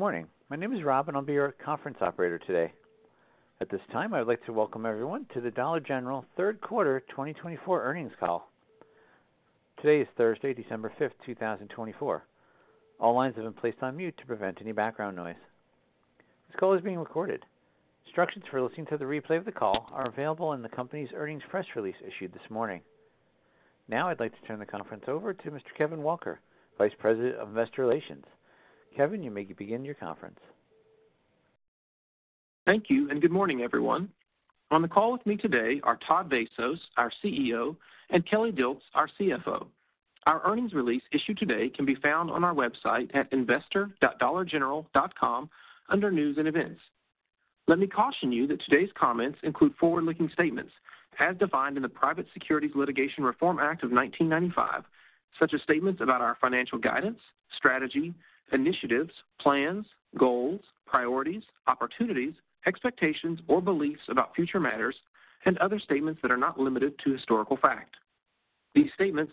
Good morning. My name is Rob, and I'll be your conference operator today. At this time, I would like to welcome everyone to the Dollar General third quarter 2024 earnings call. Today is Thursday, December 5th, 2024. All lines have been placed on mute to prevent any background noise. This call is being recorded. Instructions for listening to the replay of the call are available in the company's earnings press release issued this morning. Now, I'd like to turn the conference over to Mr. Kevin Walker, Vice President of Investor Relations. Kevin, you may begin your conference. Thank you, and good morning, everyone. On the call with me today are Todd Vasos, our CEO; and Kelly Dilts, our CFO. Our earnings release issued today can be found on our website at investor.dollargeneral.com under News and Events. Let me caution you that today's comments include forward-looking statements, as defined in the Private Securities Litigation Reform Act of 1995, such as statements about our financial guidance, strategy, initiatives, plans, goals, priorities, opportunities, expectations, or beliefs about future matters, and other statements that are not limited to historical fact. These statements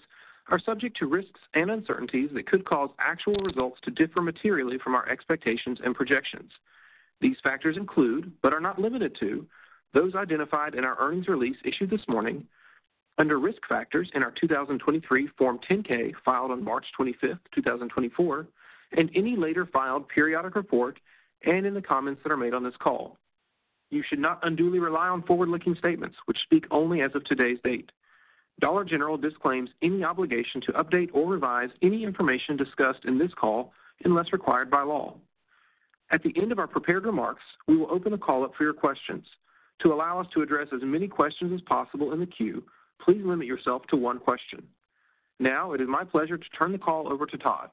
are subject to risks and uncertainties that could cause actual results to differ materially from our expectations and projections. These factors include, but are not limited to, those identified in our earnings release issued this morning, under risk factors in our 2023 Form 10-K filed on March 25th, 2024, and any later filed periodic report and in the comments that are made on this call. You should not unduly rely on forward-looking statements, which speak only as of today's date. Dollar General disclaims any obligation to update or revise any information discussed in this call unless required by law. At the end of our prepared remarks, we will open the call up for your questions. To allow us to address as many questions as possible in the queue, please limit yourself to one question. Now, it is my pleasure to turn the call over to Todd.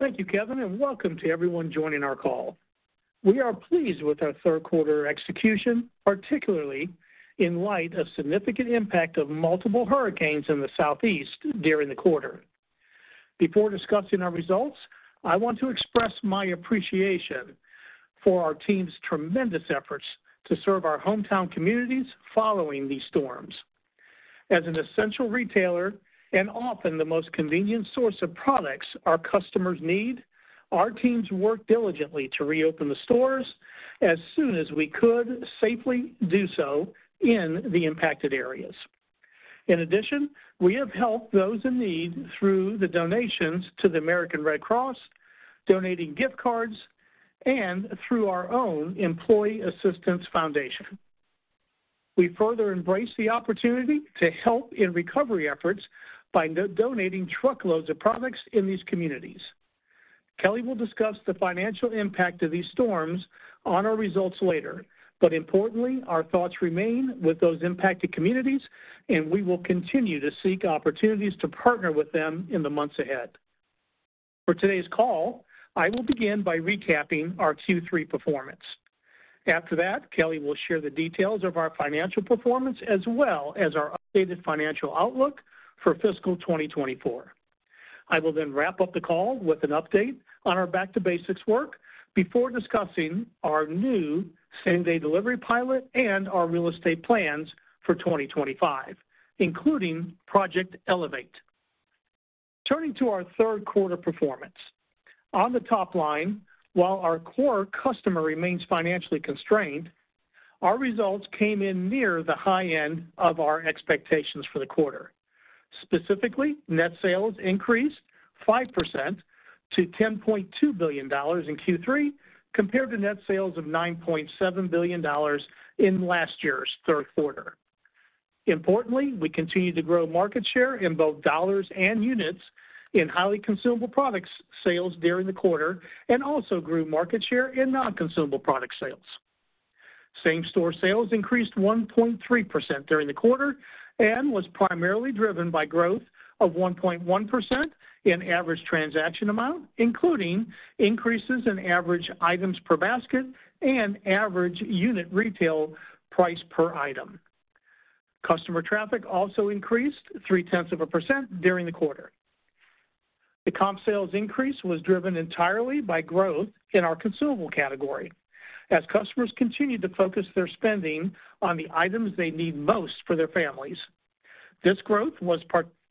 Thank you, Kevin, and welcome to everyone joining our call. We are pleased with our third quarter execution, particularly in light of the significant impact of multiple hurricanes in the Southeast during the quarter. Before discussing our results, I want to express my appreciation for our team's tremendous efforts to serve our hometown communities following these storms. As an essential retailer and often the most convenient source of products our customers need, our teams worked diligently to reopen the stores as soon as we could safely do so in the impacted areas. In addition, we have helped those in need through the donations to the American Red Cross, donating gift cards, and through our own Employee Assistance Foundation. We further embrace the opportunity to help in recovery efforts by donating truckloads of products in these communities. Kelly will discuss the financial impact of these storms on our results later, but importantly, our thoughts remain with those impacted communities, and we will continue to seek opportunities to partner with them in the months ahead. For today's call, I will begin by recapping our Q3 performance. After that, Kelly will share the details of our financial performance as well as our updated financial outlook for fiscal 2024. I will then wrap up the call with an update on our Back to Basics work before discussing our new same-day delivery pilot and our real estate plans for 2025, including Project Elevate. Turning to our third quarter performance, on the top line, while our core customer remains financially constrained, our results came in near the high end of our expectations for the quarter. Specifically, net sales increased 5% to $10.2 billion in Q3 compared to net sales of $9.7 billion in last year's third quarter. Importantly, we continued to grow market share in both dollars and units in highly consumable products sales during the quarter and also grew market share in non-consumable product sales. Same-store sales increased 1.3% during the quarter and was primarily driven by growth of 1.1% in average transaction amount, including increases in average items per basket and average unit retail price per item. Customer traffic also increased 0.3% during the quarter. The comp sales increase was driven entirely by growth in our consumable category as customers continued to focus their spending on the items they need most for their families. This growth was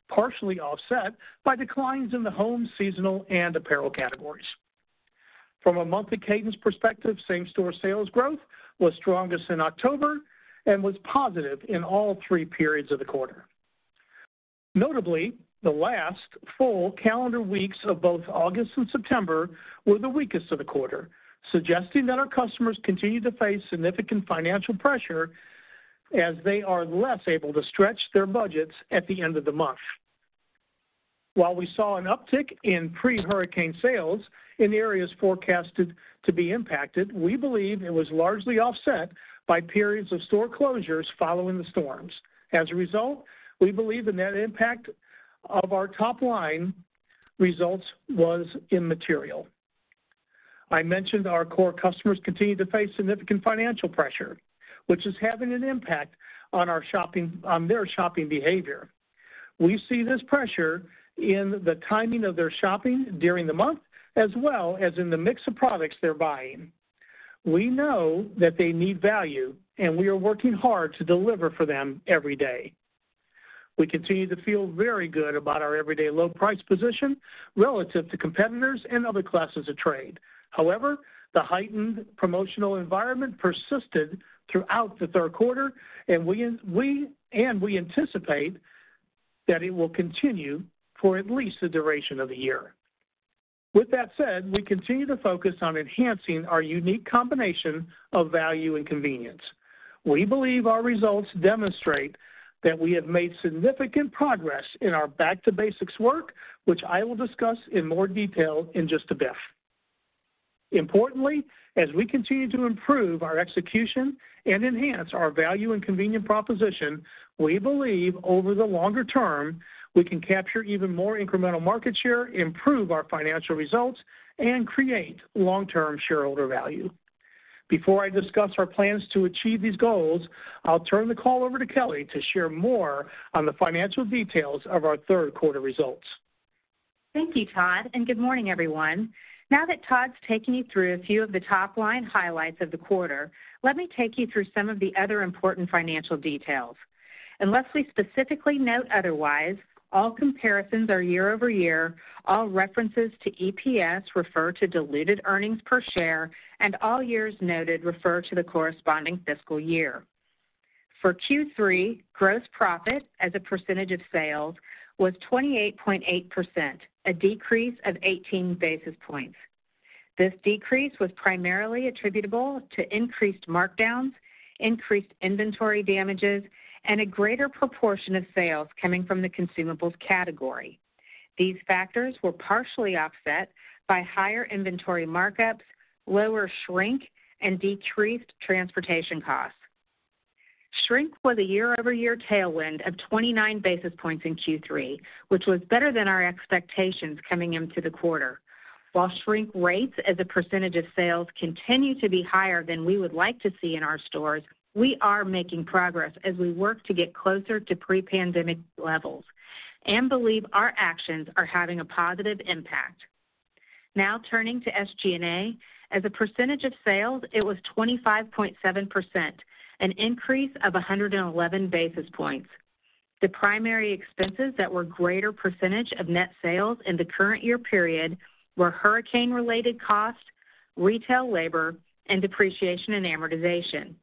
partially offset by declines in the home seasonal and apparel categories. From a monthly cadence perspective, same-store sales growth was strongest in October and was positive in all three periods of the quarter. Notably, the last full calendar weeks of both August and September were the weakest of the quarter, suggesting that our customers continue to face significant financial pressure as they are less able to stretch their budgets at the end of the month. While we saw an uptick in pre-hurricane sales in areas forecasted to be impacted, we believe it was largely offset by periods of store closures following the storms. As a result, we believe the net impact of our top-line results was immaterial. I mentioned our core customers continue to face significant financial pressure, which is having an impact on their shopping behavior. We see this pressure in the timing of their shopping during the month, as well as in the mix of products they're buying. We know that they need value, and we are working hard to deliver for them every day. We continue to feel very good about our everyday low-price position relative to competitors and other classes of trade. However, the heightened promotional environment persisted throughout the third quarter, and we anticipate that it will continue for at least the duration of the year. With that said, we continue to focus on enhancing our unique combination of value and convenience. We believe our results demonstrate that we have made significant progress in our Back to Basics work, which I will discuss in more detail in just a bit. Importantly, as we continue to improve our execution and enhance our value and convenience proposition, we believe over the longer term, we can capture even more incremental market share, improve our financial results, and create long-term shareholder value. Before I discuss our plans to achieve these goals, I'll turn the call over to Kelly to share more on the financial details of our third quarter results. Thank you, Todd, and good morning, everyone. Now that Todd's taken you through a few of the top-line highlights of the quarter, let me take you through some of the other important financial details. Unless we specifically note otherwise, all comparisons are year-over-year, all references to EPS refer to diluted earnings per share, and all years noted refer to the corresponding fiscal year. For Q3, gross profit as a percentage of sales was 28.8%, a decrease of 18 basis points. This decrease was primarily attributable to increased markdowns, increased inventory damages, and a greater proportion of sales coming from the consumables category. These factors were partially offset by higher inventory markups, lower shrink, and decreased transportation costs. Shrink was a year-over-year tailwind of 29 basis points in Q3, which was better than our expectations coming into the quarter. While shrink rates as a percentage of sales continue to be higher than we would like to see in our stores, we are making progress as we work to get closer to pre-pandemic levels and believe our actions are having a positive impact. Now turning to SG&A, as a percentage of sales, it was 25.7%, an increase of 111 basis points. The primary expenses that were a greater percentage of net sales in the current year period were hurricane-related costs, retail labor, and depreciation and amortization,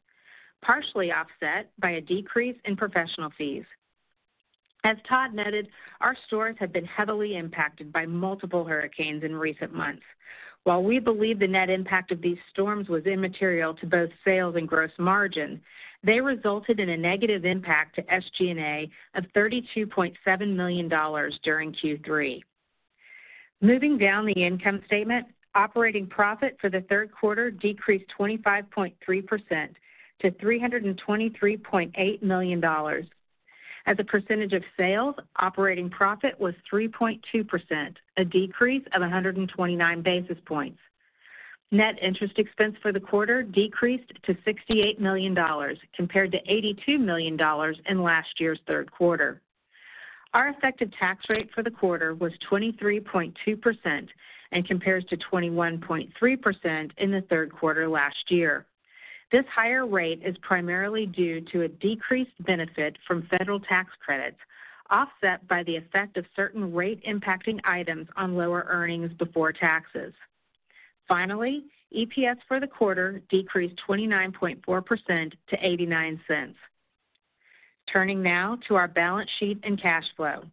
partially offset by a decrease in professional fees. As Todd noted, our stores have been heavily impacted by multiple hurricanes in recent months. While we believe the net impact of these storms was immaterial to both sales and gross margin, they resulted in a negative impact to SG&A of $32.7 million during Q3. Moving down the income statement, operating profit for the third quarter decreased 25.3% to $323.8 million. As a percentage of sales, operating profit was 3.2%, a decrease of 129 basis points. Net interest expense for the quarter decreased to $68 million, compared to $82 million in last year's third quarter. Our effective tax rate for the quarter was 23.2% and compares to 21.3% in the third quarter last year. This higher rate is primarily due to a decreased benefit from federal tax credits offset by the effect of certain rate-impacting items on lower earnings before taxes. Finally, EPS for the quarter decreased 29.4% to $0.89. Turning now to our balance sheet and cash flow.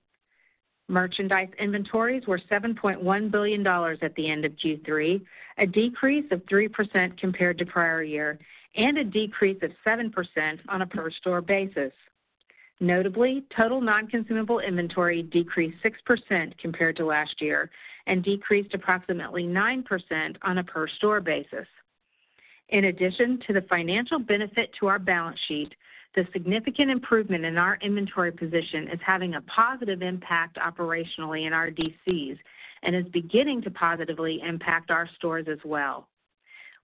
Merchandise inventories were $7.1 billion at the end of Q3, a decrease of 3% compared to prior year, and a decrease of 7% on a per-store basis. Notably, total non-consumable inventory decreased 6% compared to last year and decreased approximately 9% on a per-store basis. In addition to the financial benefit to our balance sheet, the significant improvement in our inventory position is having a positive impact operationally in our DCs and is beginning to positively impact our stores as well.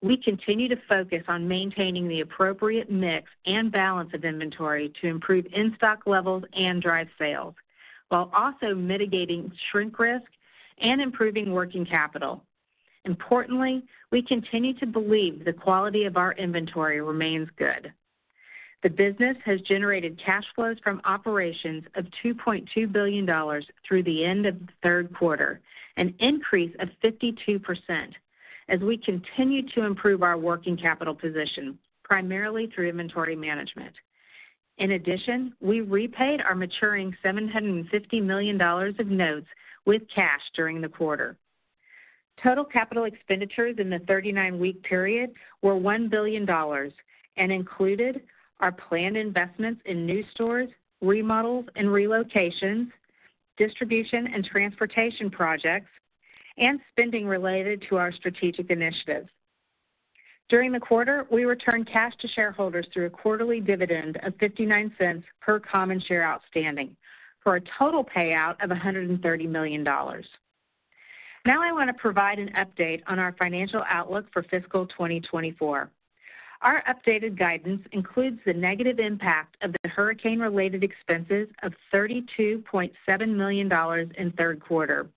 We continue to focus on maintaining the appropriate mix and balance of inventory to improve in-stock levels and drive sales, while also mitigating shrink risk and improving working capital. Importantly, we continue to believe the quality of our inventory remains good. The business has generated cash flows from operations of $2.2 billion through the end of the third quarter, an increase of 52%, as we continue to improve our working capital position, primarily through inventory management. In addition, we repaid our maturing $750 million of notes with cash during the quarter. Total capital expenditures in the 39-week period were $1 billion and included our planned investments in new stores, remodels and relocations, distribution and transportation projects, and spending related to our strategic initiatives. During the quarter, we returned cash to shareholders through a quarterly dividend of $0.59 per common share outstanding for a total payout of $130 million. Now I want to provide an update on our financial outlook for fiscal 2024. Our updated guidance includes the negative impact of the hurricane-related expenses of $32.7 million in third quarter,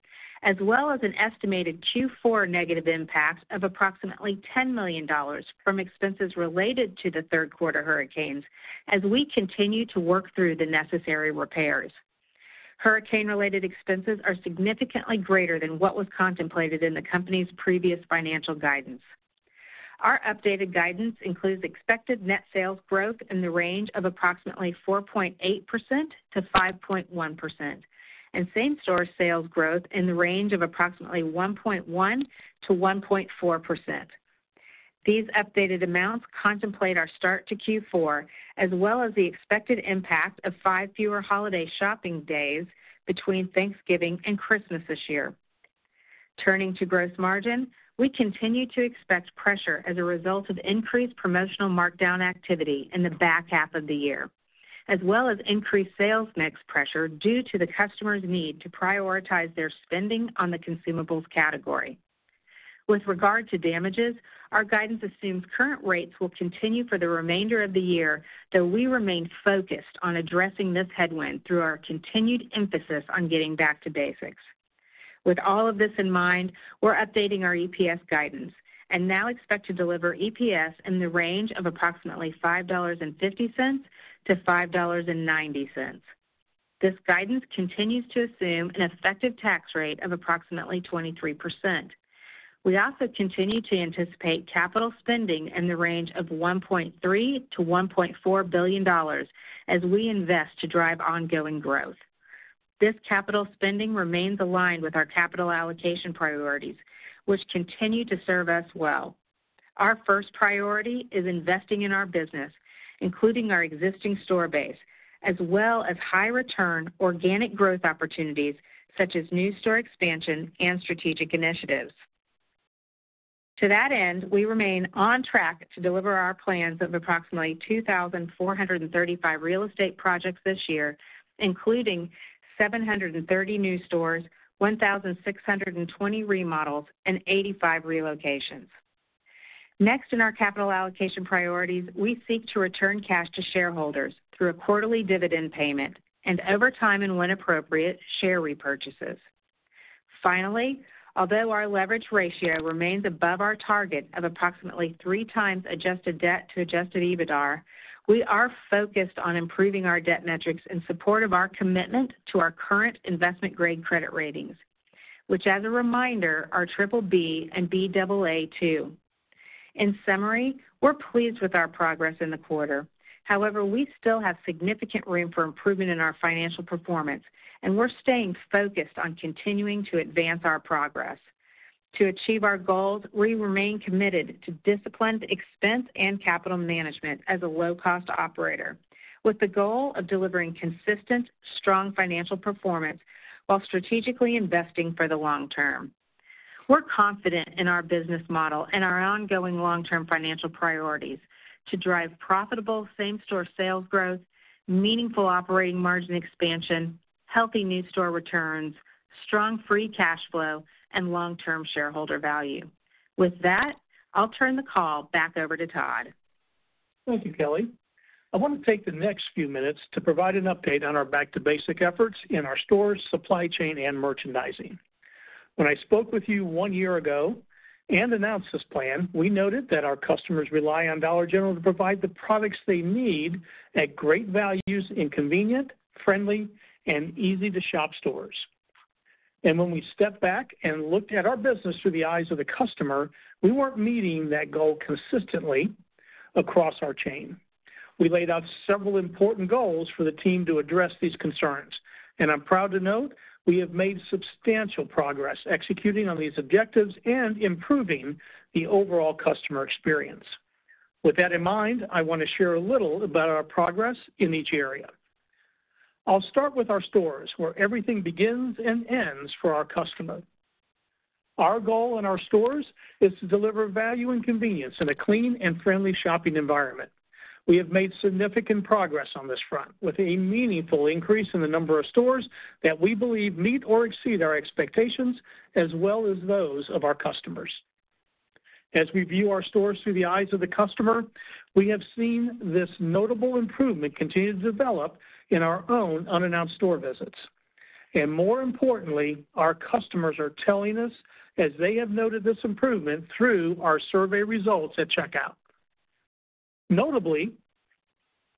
as well as an estimated Q4 negative impact of approximately $10 million from expenses related to the third quarter hurricanes as we continue to work through the necessary repairs. Hurricane-related expenses are significantly greater than what was contemplated in the company's previous financial guidance. Our updated guidance includes expected net sales growth in the range of approximately 4.8% to 5.1%, and same-store sales growth in the range of approximately 1.1% to 1.4%. These updated amounts contemplate our start to Q4, as well as the expected impact of five fewer holiday shopping days between Thanksgiving and Christmas this year. Turning to gross margin, we continue to expect pressure as a result of increased promotional markdown activity in the back half of the year, as well as increased sales mix pressure due to the customer's need to prioritize their spending on the consumables category. With regard to shrink, our guidance assumes current rates will continue for the remainder of the year, though we remain focused on addressing this headwind through our continued emphasis on getting Back to Basics. With all of this in mind, we're updating our EPS guidance and now expect to deliver EPS in the range of approximately $5.50-$5.90. This guidance continues to assume an effective tax rate of approximately 23%. We also continue to anticipate capital spending in the range of $1.3-$1.4 billion as we invest to drive ongoing growth. This capital spending remains aligned with our capital allocation priorities, which continue to serve us well. Our first priority is investing in our business, including our existing store base, as well as high-return organic growth opportunities such as new store expansion and strategic initiatives. To that end, we remain on track to deliver our plans of approximately 2,435 real estate projects this year, including 730 new stores, 1,620 remodels, and 85 relocations. Next, in our capital allocation priorities, we seek to return cash to shareholders through a quarterly dividend payment and, over time and when appropriate, share repurchases. Finally, although our leverage ratio remains above our target of approximately three times adjusted debt to adjusted EBITDA, we are focused on improving our debt metrics in support of our commitment to our current investment-grade credit ratings, which, as a reminder, are BBB and Baa2. In summary, we're pleased with our progress in the quarter. However, we still have significant room for improvement in our financial performance, and we're staying focused on continuing to advance our progress. To achieve our goals, we remain committed to disciplined expense and capital management as a low-cost operator, with the goal of delivering consistent, strong financial performance while strategically investing for the long term. We're confident in our business model and our ongoing long-term financial priorities to drive profitable same-store sales growth, meaningful operating margin expansion, healthy new store returns, strong free cash flow, and long-term shareholder value. With that, I'll turn the call back over to Todd. Thank you, Kelly. I want to take the next few minutes to provide an update on our Back to Basics efforts in our stores, supply chain, and merchandising. When I spoke with you one year ago and announced this plan, we noted that our customers rely on Dollar General to provide the products they need at great values in convenient, friendly, and easy-to-shop stores. And when we stepped back and looked at our business through the eyes of the customer, we weren't meeting that goal consistently across our chain. We laid out several important goals for the team to address these concerns, and I'm proud to note we have made substantial progress executing on these objectives and improving the overall customer experience. With that in mind, I want to share a little about our progress in each area. I'll start with our stores, where everything begins and ends for our customer. Our goal in our stores is to deliver value and convenience in a clean and friendly shopping environment. We have made significant progress on this front, with a meaningful increase in the number of stores that we believe meet or exceed our expectations, as well as those of our customers. As we view our stores through the eyes of the customer, we have seen this notable improvement continue to develop in our own unannounced store visits, and more importantly, our customers are telling us, as they have noted this improvement, through our survey results at checkout. Notably,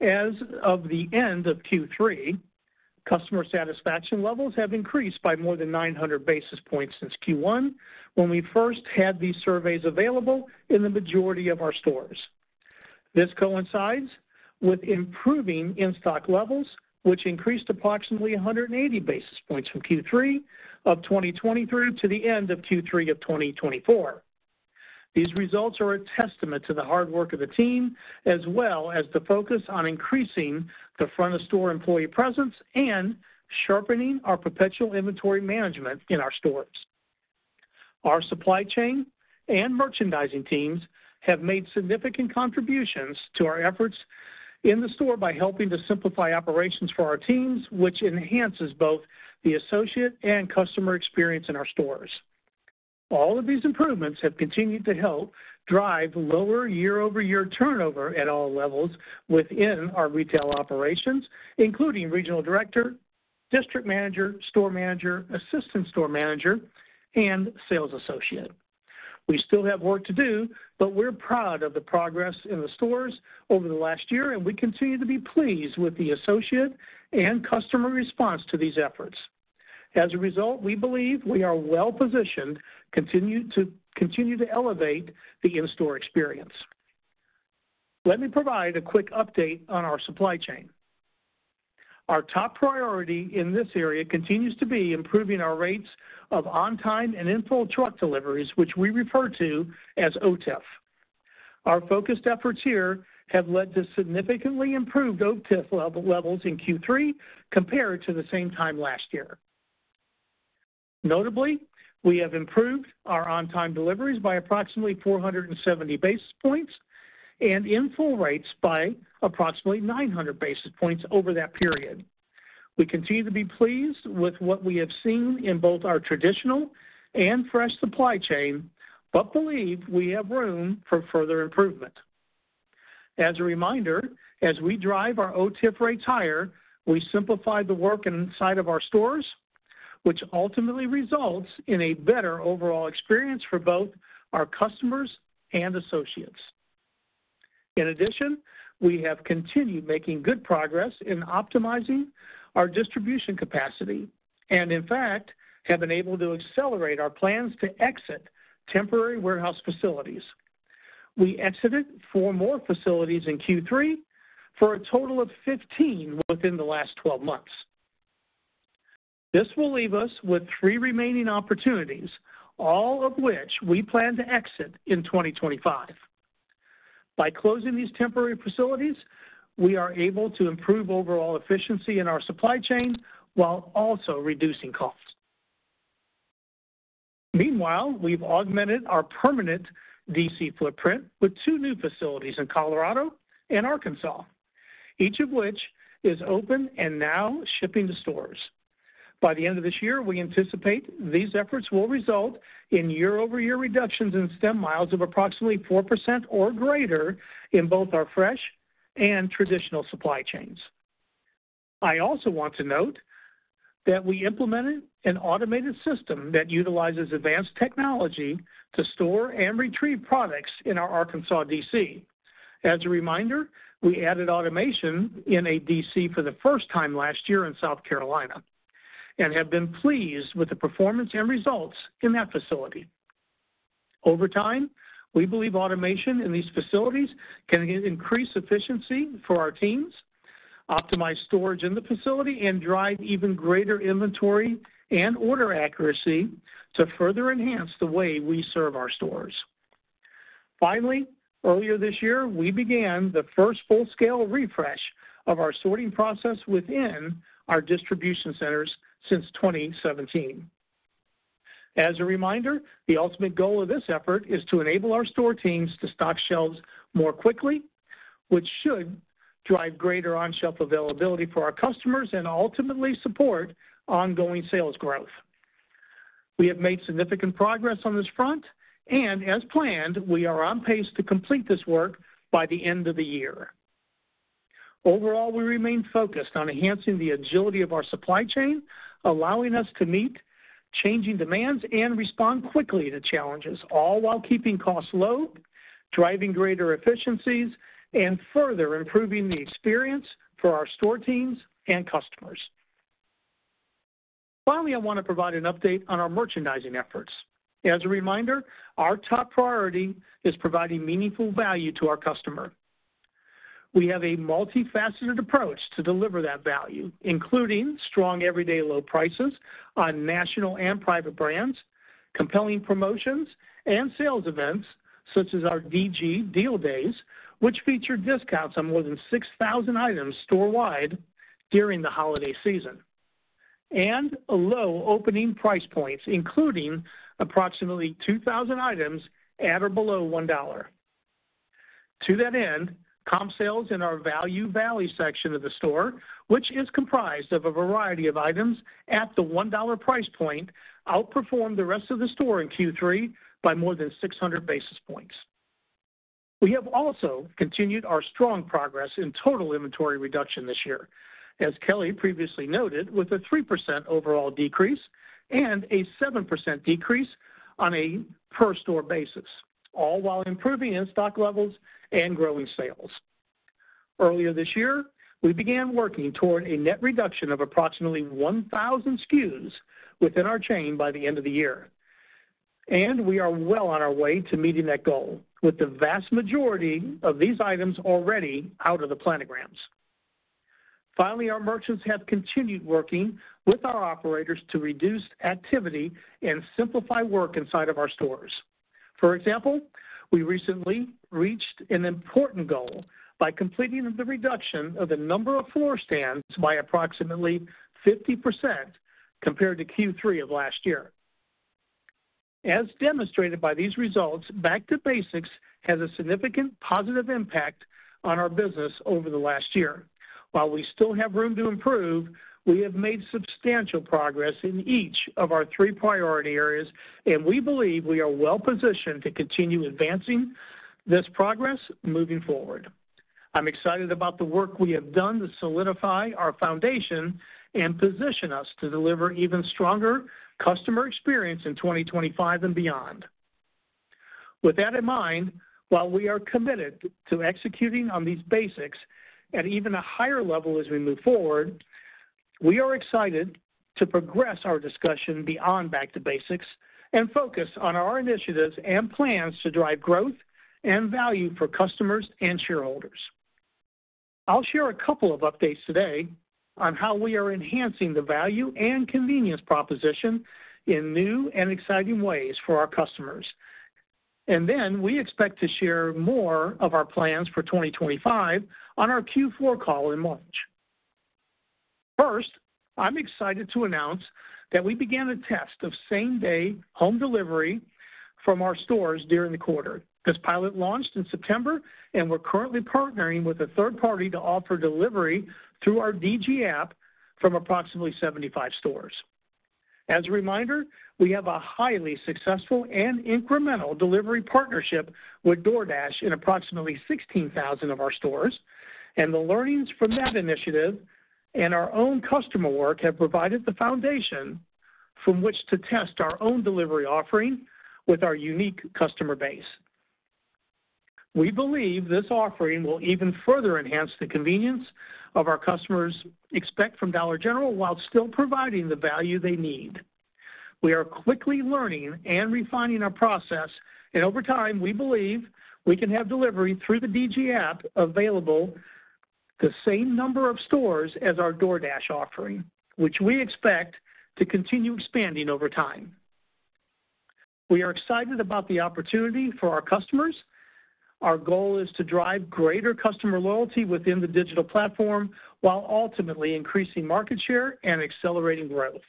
as of the end of Q3, customer satisfaction levels have increased by more than 900 basis points since Q1, when we first had these surveys available in the majority of our stores. This coincides with improving in-stock levels, which increased approximately 180 basis points from Q3 of 2023 to the end of Q3 of 2024. These results are a testament to the hard work of the team, as well as the focus on increasing the front-of-store employee presence and sharpening our perpetual inventory management in our stores. Our supply chain and merchandising teams have made significant contributions to our efforts in the store by helping to simplify operations for our teams, which enhances both the associate and customer experience in our stores. All of these improvements have continued to help drive lower year-over-year turnover at all levels within our retail operations, including regional director, district manager, store manager, assistant store manager, and sales associate. We still have work to do, but we're proud of the progress in the stores over the last year, and we continue to be pleased with the associate and customer response to these efforts. As a result, we believe we are well-positioned to continue to elevate the in-store experience. Let me provide a quick update on our supply chain. Our top priority in this area continues to be improving our rates of on-time and in-full truck deliveries, which we refer to as OTIF. Our focused efforts here have led to significantly improved OTIF levels in Q3 compared to the same time last year. Notably, we have improved our on-time deliveries by approximately 470 basis points and in-full rates by approximately 900 basis points over that period. We continue to be pleased with what we have seen in both our traditional and fresh supply chain, but believe we have room for further improvement. As a reminder, as we drive our OTIF rates higher, we simplify the work inside of our stores, which ultimately results in a better overall experience for both our customers and associates. In addition, we have continued making good progress in optimizing our distribution capacity and, in fact, have been able to accelerate our plans to exit temporary warehouse facilities. We exited four more facilities in Q3 for a total of 15 within the last 12 months. This will leave us with three remaining opportunities, all of which we plan to exit in 2025. By closing these temporary facilities, we are able to improve overall efficiency in our supply chain while also reducing costs. Meanwhile, we've augmented our permanent DC footprint with two new facilities in Colorado and Arkansas, each of which is open and now shipping to stores. By the end of this year, we anticipate these efforts will result in year-over-year reductions in stem miles of approximately 4% or greater in both our fresh and traditional supply chains. I also want to note that we implemented an automated system that utilizes advanced technology to store and retrieve products in our Arkansas DC. As a reminder, we added automation in a DC for the first time last year in South Carolina and have been pleased with the performance and results in that facility. Over time, we believe automation in these facilities can increase efficiency for our teams, optimize storage in the facility, and drive even greater inventory and order accuracy to further enhance the way we serve our stores. Finally, earlier this year, we began the first full-scale refresh of our sorting process within our distribution centers since 2017. As a reminder, the ultimate goal of this effort is to enable our store teams to stock shelves more quickly, which should drive greater on-shelf availability for our customers and ultimately support ongoing sales growth. We have made significant progress on this front, and as planned, we are on pace to complete this work by the end of the year. Overall, we remain focused on enhancing the agility of our supply chain, allowing us to meet changing demands and respond quickly to challenges, all while keeping costs low, driving greater efficiencies, and further improving the experience for our store teams and customers. Finally, I want to provide an update on our merchandising efforts. As a reminder, our top priority is providing meaningful value to our customer. We have a multifaceted approach to deliver that value, including strong everyday low prices on national and private brands, compelling promotions, and sales events such as our DG Deal Days, which feature discounts on more than 6,000 items store-wide during the holiday season, and low opening price points, including approximately 2,000 items at or below $1. To that end, comp sales in our Value Valley section of the store, which is comprised of a variety of items at the $1 price point, outperformed the rest of the store in Q3 by more than 600 basis points. We have also continued our strong progress in total inventory reduction this year, as Kelly previously noted, with a 3% overall decrease and a 7% decrease on a per-store basis, all while improving in-stock levels and growing sales. Earlier this year, we began working toward a net reduction of approximately 1,000 SKUs within our chain by the end of the year, and we are well on our way to meeting that goal with the vast majority of these items already out of the planograms. Finally, our merchants have continued working with our operators to reduce activity and simplify work inside of our stores. For example, we recently reached an important goal by completing the reduction of the number of floor stands by approximately 50% compared to Q3 of last year. As demonstrated by these results, Back to Basics has a significant positive impact on our business over the last year. While we still have room to improve, we have made substantial progress in each of our three priority areas, and we believe we are well-positioned to continue advancing this progress moving forward. I'm excited about the work we have done to solidify our foundation and position us to deliver even stronger customer experience in 2025 and beyond. With that in mind, while we are committed to executing on these basics at even a higher level as we move forward, we are excited to progress our discussion beyond Back to Basics and focus on our initiatives and plans to drive growth and value for customers and shareholders. I'll share a couple of updates today on how we are enhancing the value and convenience proposition in new and exciting ways for our customers, and then we expect to share more of our plans for 2025 on our Q4 call in March. First, I'm excited to announce that we began a test of same-day home delivery from our stores during the quarter. This pilot launched in September, and we're currently partnering with a third party to offer delivery through our DG app from approximately 75 stores. As a reminder, we have a highly successful and incremental delivery partnership with DoorDash in approximately 16,000 of our stores, and the learnings from that initiative and our own customer work have provided the foundation from which to test our own delivery offering with our unique customer base. We believe this offering will even further enhance the convenience our customers expect from Dollar General while still providing the value they need. We are quickly learning and refining our process, and over time, we believe we can have delivery through the DG app available to the same number of stores as our DoorDash offering, which we expect to continue expanding over time. We are excited about the opportunity for our customers. Our goal is to drive greater customer loyalty within the digital platform while ultimately increasing market share and accelerating growth.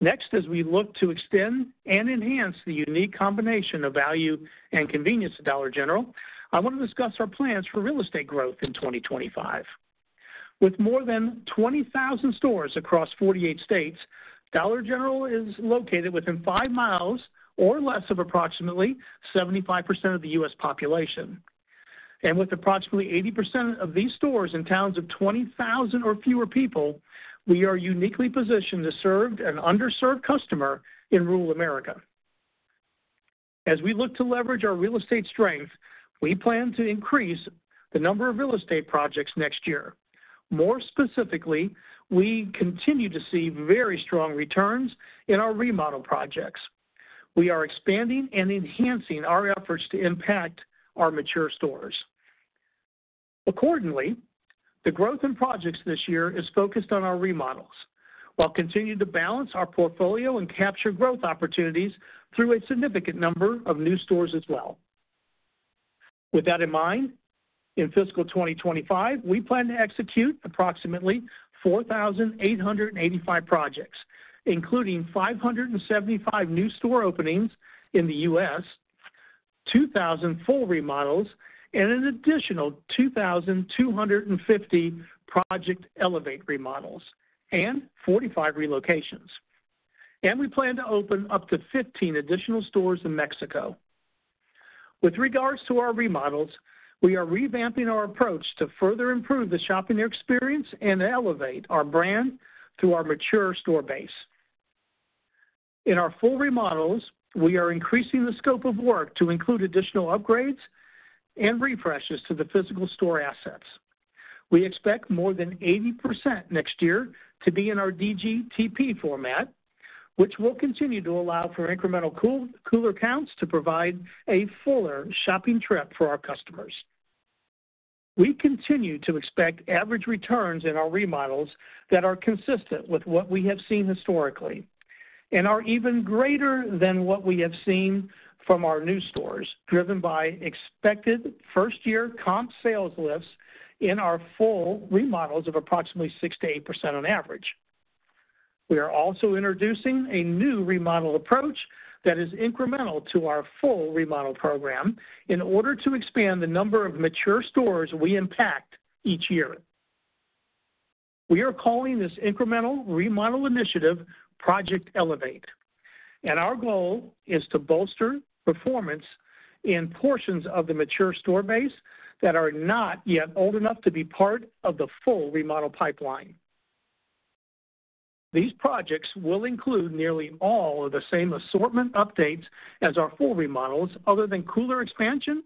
Next, as we look to extend and enhance the unique combination of value and convenience at Dollar General, I want to discuss our plans for real estate growth in 2025. With more than 20,000 stores across 48 states, Dollar General is located within five miles or less of approximately 75% of the U.S. population. And with approximately 80% of these stores in towns of 20,000 or fewer people, we are uniquely positioned to serve an underserved customer in rural America. As we look to leverage our real estate strength, we plan to increase the number of real estate projects next year. More specifically, we continue to see very strong returns in our remodel projects. We are expanding and enhancing our efforts to impact our mature stores. Accordingly, the growth in projects this year is focused on our remodels while continuing to balance our portfolio and capture growth opportunities through a significant number of new stores as well. With that in mind, in fiscal 2025, we plan to execute approximately 4,885 projects, including 575 new store openings in the U.S., 2,000 full remodels, and an additional 2,250 Project Elevate remodels and 45 relocations, and we plan to open up to 15 additional stores in Mexico. With regards to our remodels, we are revamping our approach to further improve the shopping experience and elevate our brand through our mature store base. In our full remodels, we are increasing the scope of work to include additional upgrades and refreshes to the physical store assets. We expect more than 80% next year to be in our DGTP format, which will continue to allow for incremental cooler counts to provide a fuller shopping trip for our customers. We continue to expect average returns in our remodels that are consistent with what we have seen historically and are even greater than what we have seen from our new stores, driven by expected first-year comp sales lifts in our full remodels of approximately 6%-8% on average. We are also introducing a new remodel approach that is incremental to our full remodel program in order to expand the number of mature stores we impact each year. We are calling this incremental remodel initiative Project Elevate, and our goal is to bolster performance in portions of the mature store base that are not yet old enough to be part of the full remodel pipeline. These projects will include nearly all of the same assortment updates as our full remodels, other than cooler expansion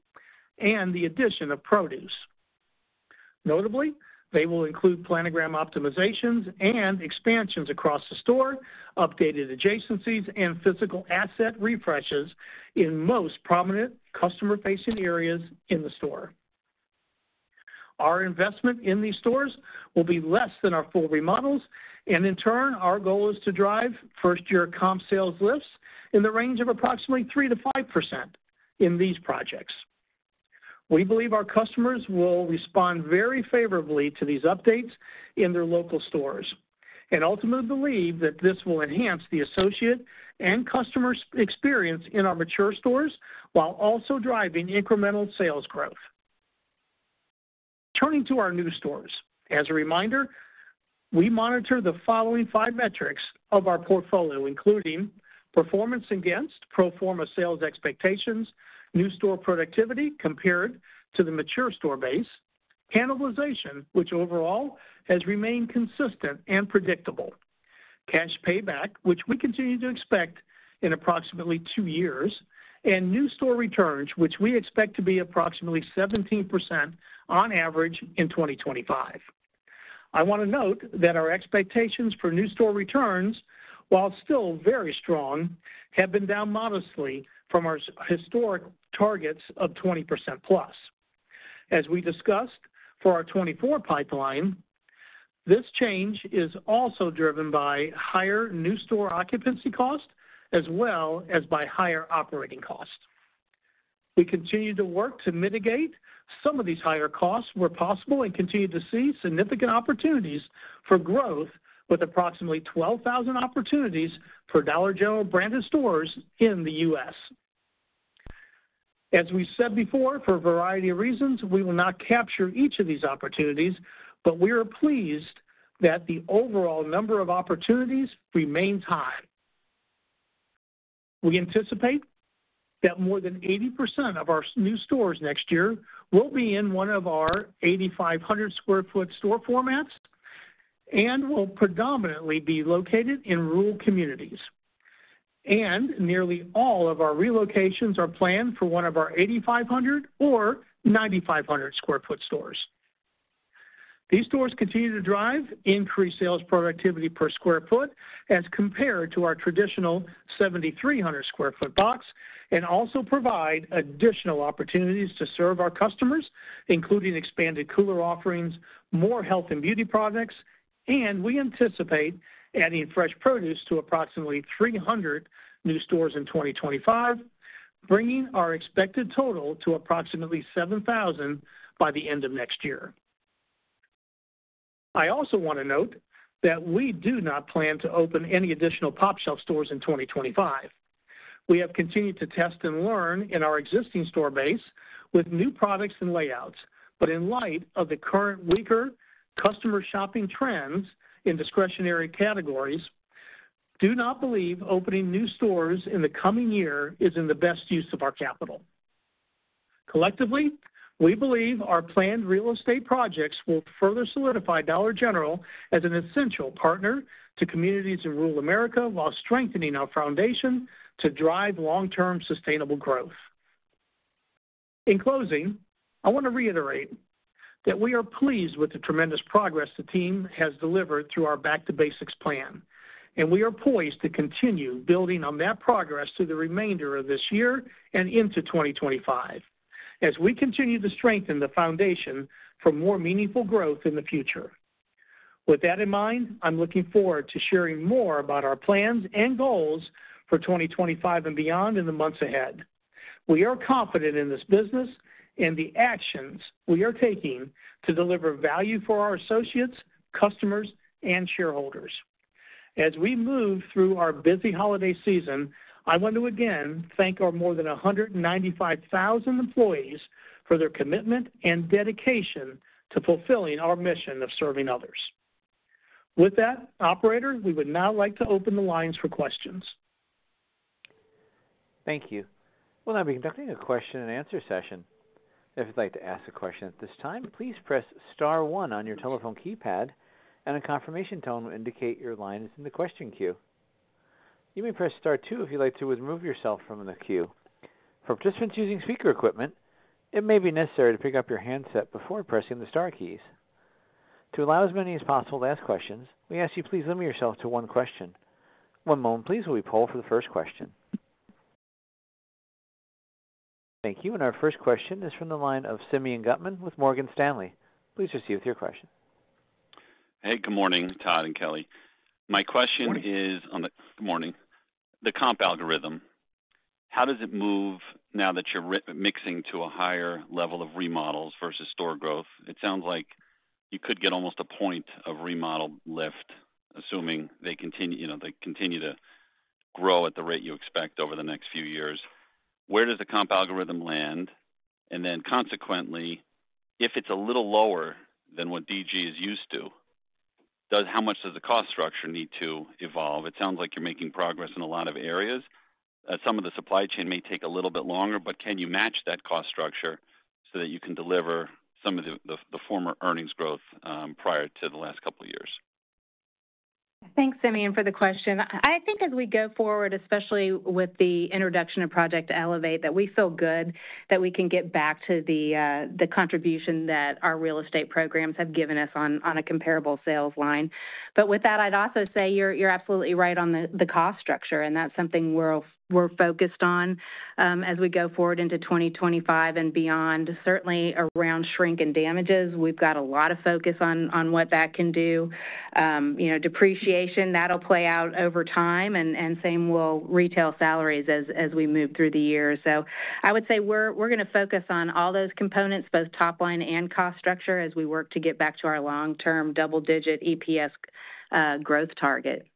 and the addition of produce. Notably, they will include planogram optimizations and expansions across the store, updated adjacencies, and physical asset refreshes in most prominent customer-facing areas in the store. Our investment in these stores will be less than our full remodels, and in turn, our goal is to drive first-year comp sales lifts in the range of approximately 3%-5% in these projects. We believe our customers will respond very favorably to these updates in their local stores and ultimately believe that this will enhance the associate and customer experience in our mature stores while also driving incremental sales growth. Turning to our new stores, as a reminder, we monitor the following five metrics of our portfolio, including performance against pro forma sales expectations, new store productivity compared to the mature store base, cannibalization, which overall has remained consistent and predictable, cash payback, which we continue to expect in approximately two years, and new store returns, which we expect to be approximately 17% on average in 2025. I want to note that our expectations for new store returns, while still very strong, have been down modestly from our historic targets of 20% plus. As we discussed for our 2024 pipeline, this change is also driven by higher new store occupancy costs as well as by higher operating costs. We continue to work to mitigate some of these higher costs where possible and continue to see significant opportunities for growth with approximately 12,000 opportunities for Dollar General branded stores in the U.S. As we said before, for a variety of reasons, we will not capture each of these opportunities, but we are pleased that the overall number of opportunities remains high. We anticipate that more than 80% of our new stores next year will be in one of our 8,500 sq ft store formats and will predominantly be located in rural communities. And nearly all of our relocations are planned for one of our 8,500 sq or 9,500 sq ft stores. These stores continue to drive increased sales productivity per sq ft as compared to our traditional 7,300 sq ft box and also provide additional opportunities to serve our customers, including expanded cooler offerings, more health and beauty products, and we anticipate adding fresh produce to approximately 300 new stores in 2025, bringing our expected total to approximately 7,000 by the end of next year. I also want to note that we do not plan to open any additional pOpshelf stores in 2025. We have continued to test and learn in our existing store base with new products and layouts, but in light of the current weaker customer shopping trends in discretionary categories, I do not believe opening new stores in the coming year is in the best use of our capital. Collectively, we believe our planned real estate projects will further solidify Dollar General as an essential partner to communities in rural America while strengthening our foundation to drive long-term sustainable growth. In closing, I want to reiterate that we are pleased with the tremendous progress the team has delivered through our Back to Basics plan, and we are poised to continue building on that progress through the remainder of this year and into 2025 as we continue to strengthen the foundation for more meaningful growth in the future. With that in mind, I'm looking forward to sharing more about our plans and goals for 2025 and beyond in the months ahead. We are confident in this business and the actions we are taking to deliver value for our associates, customers, and shareholders. As we move through our busy holiday season, I want to again thank our more than 195,000 employees for their commitment and dedication to fulfilling our mission of serving others. With that, Operator, we would now like to open the lines for questions. Thank you. We'll now be conducting a question-and-answer session. If you'd like to ask a question at this time, please press star one on your telephone keypad, and a confirmation tone will indicate your line is in the question queue. You may press star two if you'd like to remove yourself from the queue. For participants using speaker equipment, it may be necessary to pick up your handset before pressing the star keys. To allow as many as possible to ask questions, we ask you please limit yourself to one question. One moment, please, while we poll for the first question. Thank you. And our first question is from the line of Simeon Gutman with Morgan Stanley. Please proceed with your question. Hey, good morning, Todd and Kelly. My question is on the comp algorithm, how does it move now that you're mixing to a higher level of remodels versus store growth? It sounds like you could get almost a point of remodel lift, assuming they continue to grow at the rate you expect over the next few years. Where does the comp algorithm land? And then consequently, if it's a little lower than what DG is used to, how much does the cost structure need to evolve? It sounds like you're making progress in a lot of areas. Some of the supply chain may take a little bit longer, but can you match that cost structure so that you can deliver some of the former earnings growth prior to the last couple of years? Thanks, Simeon, for the question. I think as we go forward, especially with the introduction of Project Elevate, that we feel good that we can get back to the contribution that our real estate programs have given us on a comparable sales line. But with that, I'd also say you're absolutely right on the cost structure, and that's something we're focused on as we go forward into 2025 and beyond. Certainly, around shrink and damages, we've got a lot of focus on what that can do. Depreciation, that'll play out over time, and same will retail salaries as we move through the year. So I would say we're going to focus on all those components, both top line and cost structure, as we work to get back to our long-term double-digit EPS growth target.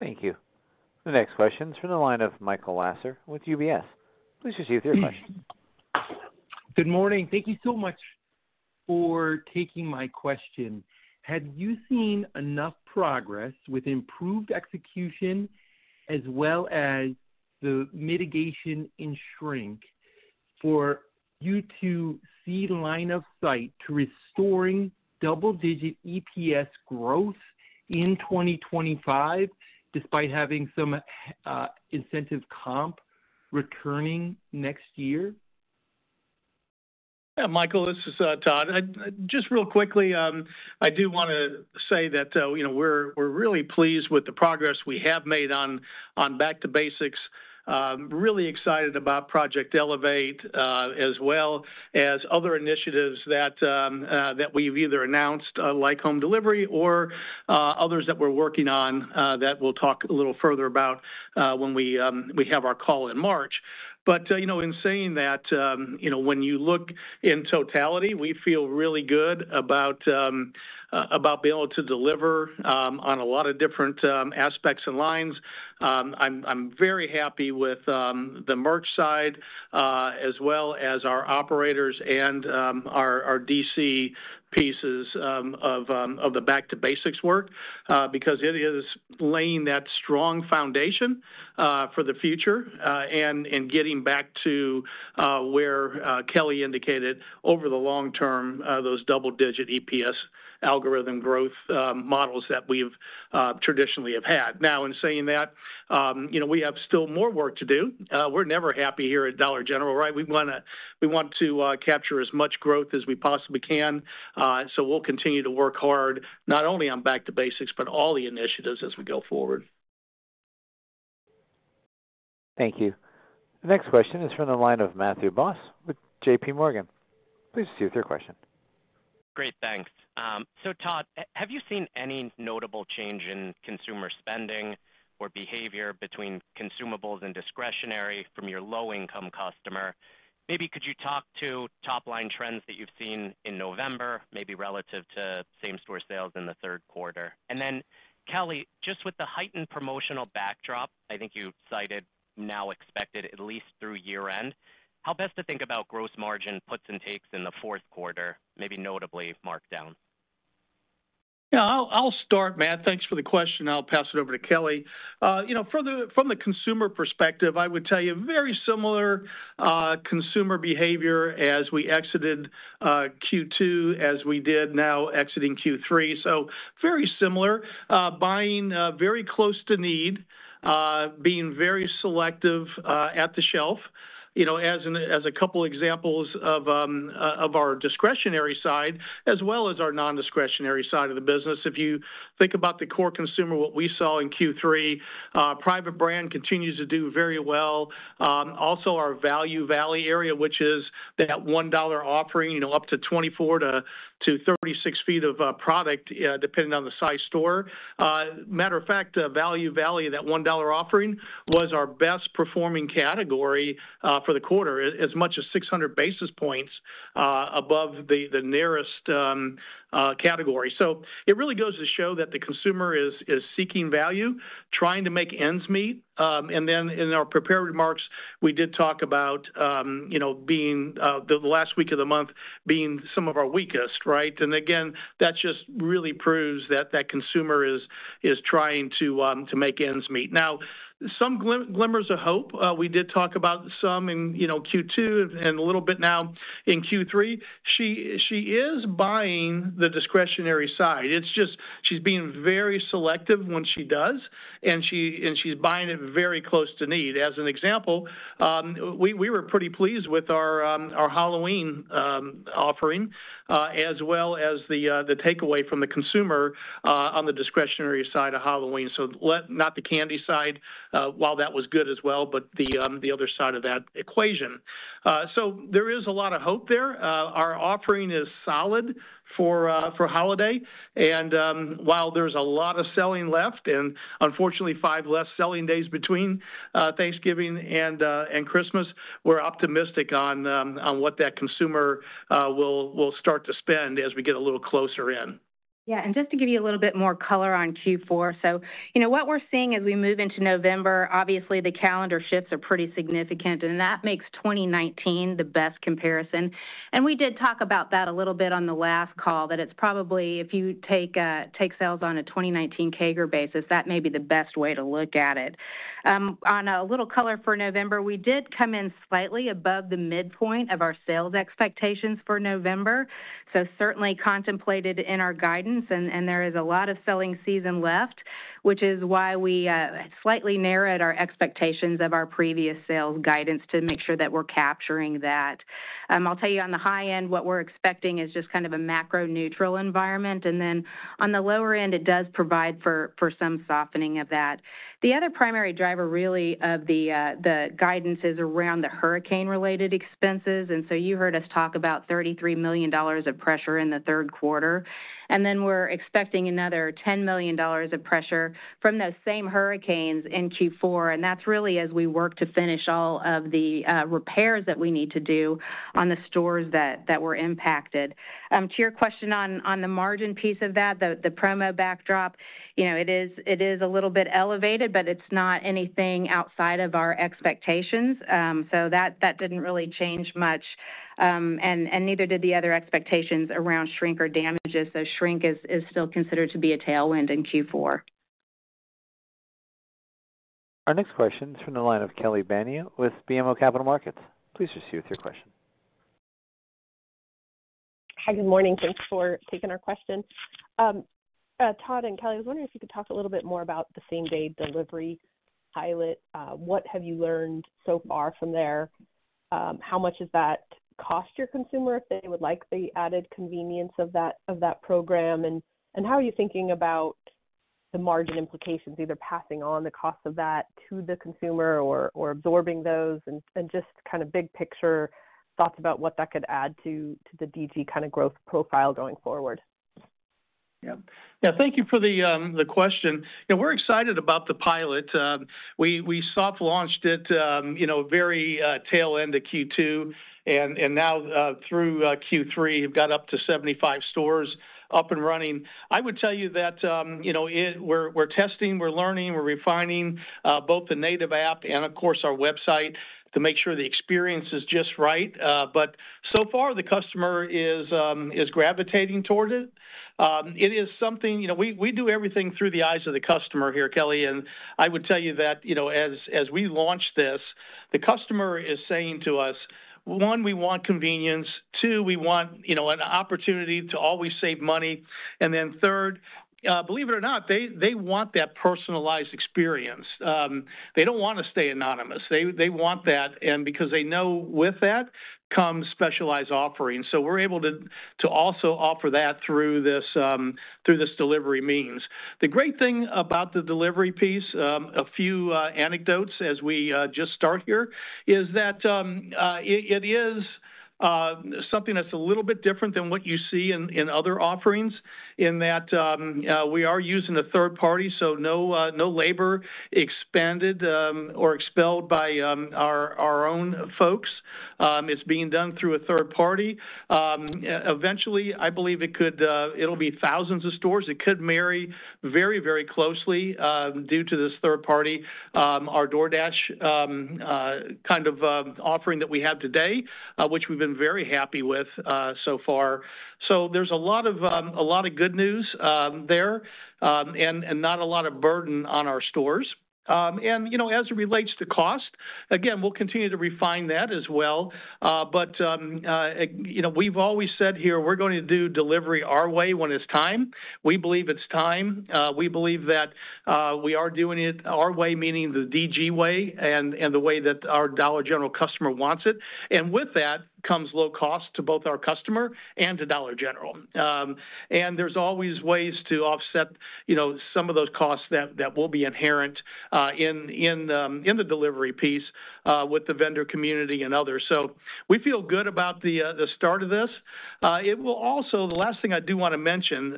Thank you. The next question is from the line of Michael Lasser with UBS. Please proceed with your question. Good morning. Thank you so much for taking my question. Have you seen enough progress with improved execution as well as the mitigation in shrink for you to see line of sight to restoring double-digit EPS growth in 2025 despite having some incentive comp returning next year? Yeah, Michael, this is Todd. Just real quickly, I do want to say that we're really pleased with the progress we have made on Back to Basics. Really excited about Project Elevate as well as other initiatives that we've either announced, like home delivery, or others that we're working on that we'll talk a little further about when we have our call in March. But in saying that, when you look in totality, we feel really good about being able to deliver on a lot of different aspects and lines. I'm very happy with the merch side as well as our operators and our DC pieces of the Back to Basics work because it is laying that strong foundation for the future and getting back to where Kelly indicated over the long term, those double-digit EPS algorithm growth models that we've traditionally had. Now, in saying that, we have still more work to do. We're never happy here at Dollar General, right? We want to capture as much growth as we possibly can. So we'll continue to work hard not only on Back to Basics, but all the initiatives as we go forward. Thank you. The next question is from the line of Matthew Boss with J.P. Morgan. Please proceed with your question. Great. Thanks. So, Todd, have you seen any notable change in consumer spending or behavior between consumables and discretionary from your low-income customer? Maybe could you talk to top line trends that you've seen in November, maybe relative to same-store sales in the third quarter? And then, Kelly, just with the heightened promotional backdrop, I think you cited now expected at least through year-end, how best to think about gross margin puts and takes in the fourth quarter, maybe notably marked down? Yeah, I'll start, Matt. Thanks for the question. I'll pass it over to Kelly. From the consumer perspective, I would tell you very similar consumer behavior as we exited Q2, as we did now exiting Q3. So very similar. Buying very close to need, being very selective at the shelf, as a couple of examples of our discretionary side as well as our non-discretionary side of the business. If you think about the core consumer, what we saw in Q3, private brand continues to do very well. Also, our Value Valley area, which is that $1 offering, up to 24-36 feet of product depending on the size store. Matter of fact, Value Valley, that $1 offering was our best performing category for the quarter, as much as 600 basis points above the nearest category. So it really goes to show that the consumer is seeking value, trying to make ends meet. And then in our prepared remarks, we did talk about being the last week of the month being some of our weakest, right? And again, that just really proves that that consumer is trying to make ends meet. Now, some glimmers of hope. We did talk about some in Q2 and a little bit now in Q3. She is buying the discretionary side. It's just she's being very selective when she does, and she's buying it very close to need. As an example, we were pretty pleased with our Halloween offering as well as the takeaway from the consumer on the discretionary side of Halloween. So not the candy side, while that was good as well, but the other side of that equation. So there is a lot of hope there. Our offering is solid for holiday. While there's a lot of selling left and unfortunately five less selling days between Thanksgiving and Christmas, we're optimistic on what that consumer will start to spend as we get a little closer in. Yeah. Just to give you a little bit more color on Q4, so what we're seeing as we move into November, obviously the calendar shifts are pretty significant, and that makes 2019 the best comparison. We did talk about that a little bit on the last call, that it's probably if you take sales on a 2019 calendar basis, that may be the best way to look at it. And a little color for November, we did come in slightly above the midpoint of our sales expectations for November. So certainly contemplated in our guidance, and there is a lot of selling season left, which is why we slightly narrowed our expectations of our previous sales guidance to make sure that we're capturing that. I'll tell you on the high end, what we're expecting is just kind of a macro neutral environment. And then on the lower end, it does provide for some softening of that. The other primary driver really of the guidance is around the hurricane-related expenses. And so you heard us talk about $33 million of pressure in the third quarter. And then we're expecting another $10 million of pressure from those same hurricanes in Q4. And that's really as we work to finish all of the repairs that we need to do on the stores that were impacted. To your question on the margin piece of that, the promo backdrop, it is a little bit elevated, but it's not anything outside of our expectations. So that didn't really change much, and neither did the other expectations around shrink or damages. So shrink is still considered to be a tailwind in Q4. Our next question is from the line of Kelly Bania with BMO Capital Markets. Please proceed with your question. Hi, good morning. Thanks for taking our question. Todd and Kelly, I was wondering if you could talk a little bit more about the same-day delivery pilot. What have you learned so far from there? How much has that cost your consumer if they would like the added convenience of that program? And how are you thinking about the margin implications, either passing on the cost of that to the consumer or absorbing those? And just kind of big picture thoughts about what that could add to the DG kind of growth profile going forward. Yeah. Yeah, thank you for the question. We're excited about the pilot. We soft-launched it very tail-end of Q2, and now through Q3, we've got up to 75 stores up and running. I would tell you that we're testing, we're learning, we're refining both the native app and, of course, our website to make sure the experience is just right. But so far, the customer is gravitating toward it. It is something we do everything through the eyes of the customer here, Kelly. And I would tell you that as we launched this, the customer is saying to us, one, we want convenience. Two, we want an opportunity to always save money. And then third, believe it or not, they want that personalized experience. They don't want to stay anonymous. They want that. And because they know with that comes specialized offering. So we're able to also offer that through this delivery means. The great thing about the delivery piece, a few anecdotes as we just start here, is that it is something that's a little bit different than what you see in other offerings in that we are using a third party. So no labor expended by our own folks. It's being done through a third party. Eventually, I believe it'll be thousands of stores. It could marry very, very closely due to this third party, our DoorDash kind of offering that we have today, which we've been very happy with so far. So there's a lot of good news there and not a lot of burden on our stores. And as it relates to cost, again, we'll continue to refine that as well. But we've always said here, we're going to do delivery our way when it's time. We believe it's time. We believe that we are doing it our way, meaning the DG way and the way that our Dollar General customer wants it. And with that comes low cost to both our customer and to Dollar General. And there's always ways to offset some of those costs that will be inherent in the delivery piece with the vendor community and others. So we feel good about the start of this. The last thing I do want to mention,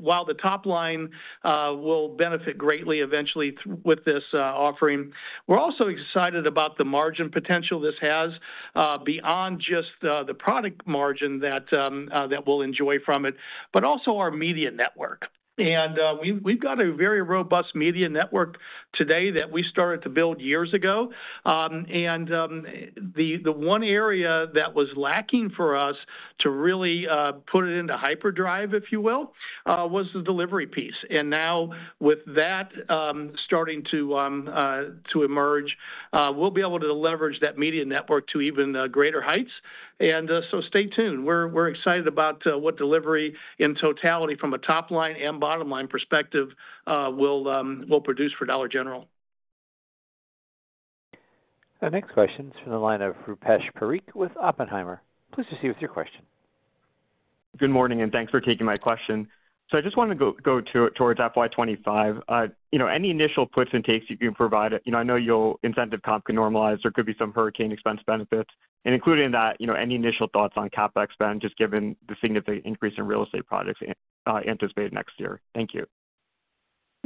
while the top line will benefit greatly eventually with this offering, we're also excited about the margin potential this has beyond just the product margin that we'll enjoy from it, but also our media network. And we've got a very robust media network today that we started to build years ago. And the one area that was lacking for us to really put it into hyperdrive, if you will, was the delivery piece. And now with that starting to emerge, we'll be able to leverage that media network to even greater heights. And so stay tuned. We're excited about what delivery in totality from a top line and bottom line perspective will produce for Dollar General. The next question is from the line of Rupesh Parikh with Oppenheimer. Please proceed with your question. Good morning and thanks for taking my question. So I just wanted to go towards FY 2025. Any initial puts and takes you can provide? I know your incentive comp can normalize. There could be some hurricane expense benefits. And including that, any initial thoughts on CapEx spend just given the significant increase in real estate projects anticipated next year? Thank you.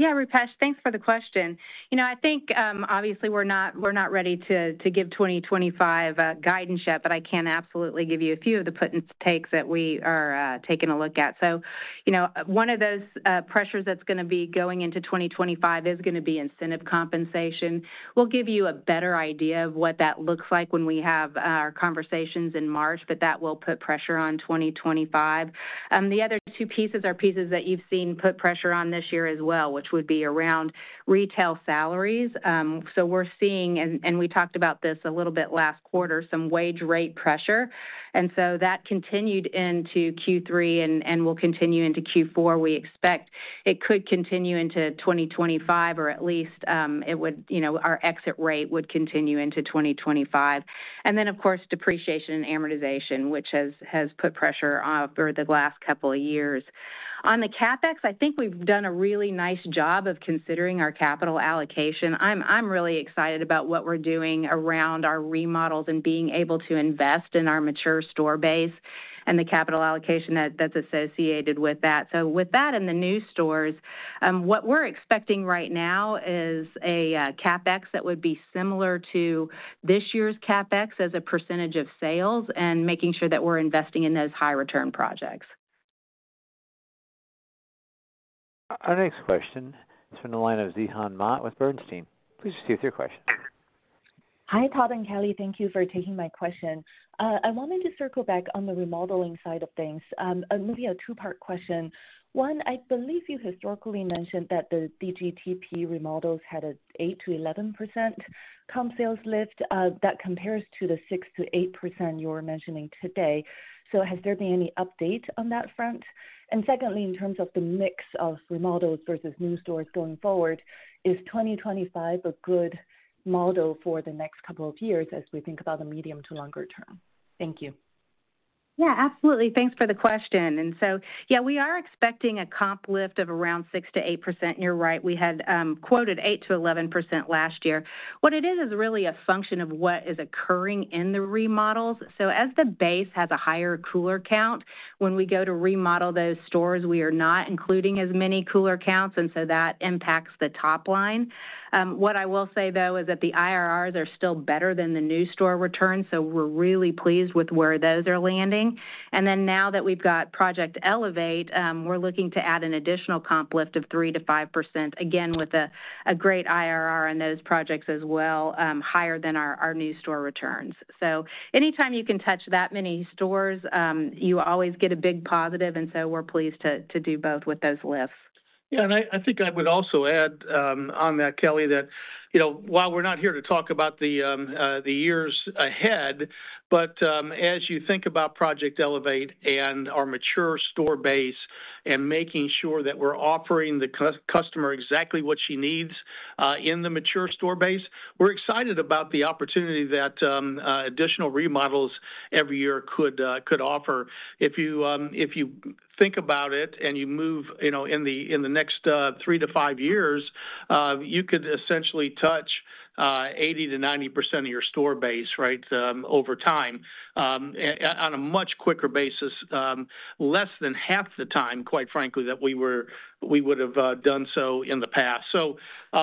Yeah, Rupesh, thanks for the question. I think obviously we're not ready to give 2025 a guidance yet, but I can absolutely give you a few of the puts and takes that we are taking a look at. So one of those pressures that's going to be going into 2025 is going to be incentive compensation. We'll give you a better idea of what that looks like when we have our conversations in March, but that will put pressure on 2025. The other two pieces are pieces that you've seen put pressure on this year as well, which would be around retail salaries. So we're seeing, and we talked about this a little bit last quarter, some wage rate pressure. And so that continued into Q3 and will continue into Q4. We expect it could continue into 2025, or at least our exit rate would continue into 2025. And then, of course, depreciation and amortization, which has put pressure over the last couple of years. On the CapEx, I think we've done a really nice job of considering our capital allocation. I'm really excited about what we're doing around our remodels and being able to invest in our mature store base and the capital allocation that's associated with that. So with that and the new stores, what we're expecting right now is a CapEx that would be similar to this year's CapEx as a percentage of sales and making sure that we're investing in those high-return projects. Our next question is from the line of Zhihan Ma with Bernstein. Please proceed with your question. Hi, Todd and Kelly. Thank you for taking my question. I wanted to circle back on the remodeling side of things. Maybe a two-part question. One, I believe you historically mentioned that the DG TP remodels had an 8%-11% comp sales lift that compares to the 6%-8% you were mentioning today. So has there been any update on that front? And secondly, in terms of the mix of remodels versus new stores going forward, is 2025 a good model for the next couple of years as we think about the medium to longer term? Thank you. Yeah, absolutely. Thanks for the question. And so, yeah, we are expecting a comp lift of around 6%-8%. You're right. We had quoted 8%-11% last year. What it is, is really a function of what is occurring in the remodels. So as the base has a higher cooler count, when we go to remodel those stores, we are not including as many cooler counts, and so that impacts the top line. What I will say, though, is that the IRRs are still better than the new store returns. So we're really pleased with where those are landing. And then now that we've got Project Elevate, we're looking to add an additional comp lift of 3% to 5%, again with a great IRR on those projects as well, higher than our new store returns. So anytime you can touch that many stores, you always get a big positive. And so we're pleased to do both with those lifts. Yeah. And I think I would also add on that, Kelly, that while we're not here to talk about the years ahead, but as you think about Project Elevate and our mature store base and making sure that we're offering the customer exactly what she needs in the mature store base, we're excited about the opportunity that additional remodels every year could offer. If you think about it and you move in the next three to five years, you could essentially touch 80%-90% of your store base, right, over time on a much quicker basis, less than half the time, quite frankly, that we would have done so in the past. So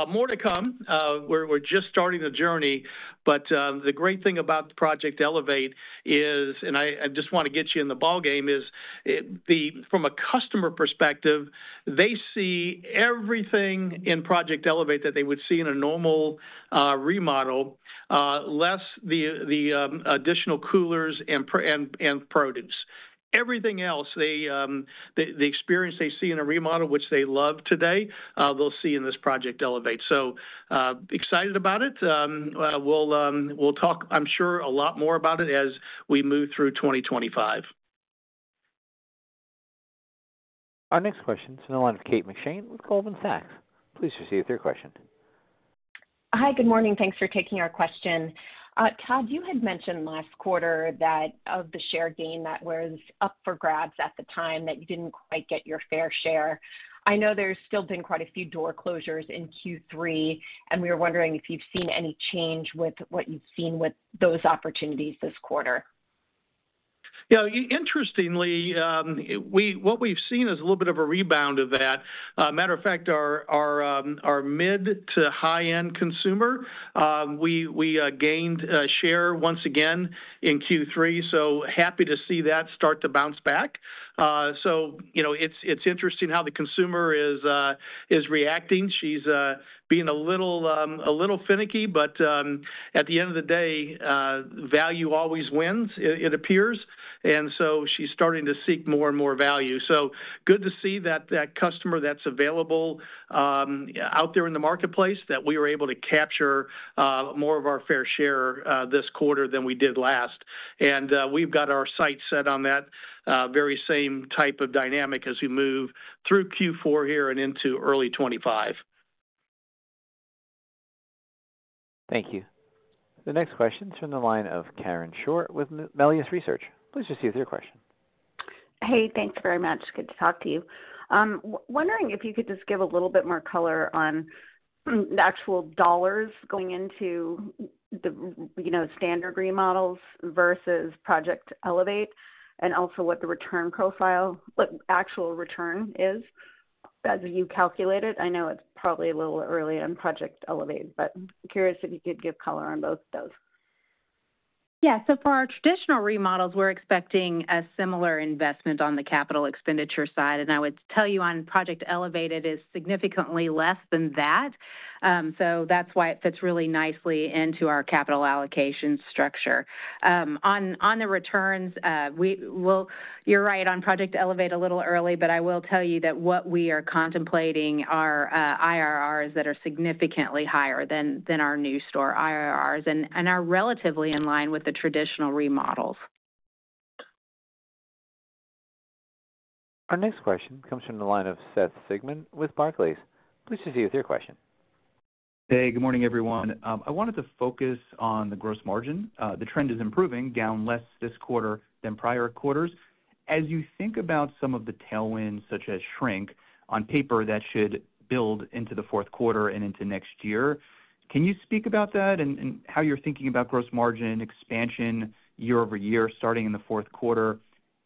more to come. We're just starting the journey. But the great thing about Project Elevate is, and I just want to get you in the ballgame, is from a customer perspective, they see everything in Project Elevate that they would see in a normal remodel, less the additional coolers and produce. Everything else, the experience they see in a remodel, which they love today, they'll see in this Project Elevate. So excited about it. We'll talk, I'm sure, a lot more about it as we move through 2025. Our next question is from the line of Kate McShane with Goldman Sachs. Please proceed with your question. Hi, good morning. Thanks for taking our question. Todd, you had mentioned last quarter that of the share gain that was up for grabs at the time that you didn't quite get your fair share. I know there's still been quite a few door closures in Q3, and we were wondering if you've seen any change with what you've seen with those opportunities this quarter. Yeah. Interestingly, what we've seen is a little bit of a rebound of that. Matter of fact, our mid to high-end consumer, we gained a share once again in Q3. So happy to see that start to bounce back. It's interesting how the consumer is reacting. She's being a little finicky, but at the end of the day, value always wins, it appears. She's starting to seek more and more value. Good to see that customer that's available out there in the marketplace that we were able to capture more of our fair share this quarter than we did last. And we've got our sights set on that very same type of dynamic as we move through Q4 here and into early 2025. Thank you. The next question is from the line of Karen Short with Melius Research. Please proceed with your question. Hey, thanks very much. Good to talk to you. Wondering if you could just give a little bit more color on the actual dollars going into the standard remodels versus Project Elevate and also what the actual return is as you calculate it. I know it's probably a little early on Project Elevate, but curious if you could give color on both of those. Yeah. So for our traditional remodels, we're expecting a similar investment on the capital expenditure side. And I would tell you on Project Elevate, it is significantly less than that. So that's why it fits really nicely into our capital allocation structure. On the returns, you're right on Project Elevate a little early, but I will tell you that what we are contemplating are IRRs that are significantly higher than our new store IRRs and are relatively in line with the traditional remodels. Our next question comes from the line of Seth Sigman with Barclays. Please proceed with your question. Hey, good morning, everyone. I wanted to focus on the gross margin. The trend is improving, down less this quarter than prior quarters. As you think about some of the tailwinds such as shrink on paper that should build into the fourth quarter and into next year, can you speak about that and how you're thinking about gross margin expansion year over year starting in the fourth quarter?